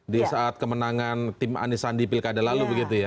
di saat kemenangan tim anisandi pilkada lalu begitu ya